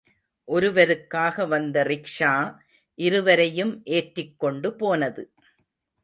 ஒருவருக்காக வந்த ரிக்ஷா, இருவரையும் ஏற்றிக் கொண்டு போனது.